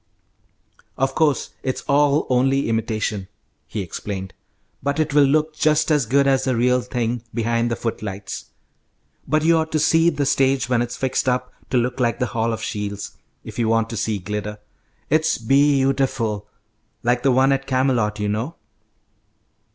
"Of course it's all only imitation," he explained, "but it will look just as good as the real thing behind the footlights. But you ought to see the stage when it's fixed up to look like the Hall of the Shields, if you want to see glitter. It's be yu tiful! Like the one at Camelot, you know."